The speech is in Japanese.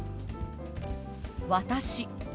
「私」。